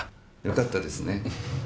よかったですね。